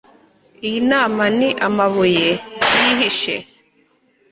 iyi nama ni amabuye yihishe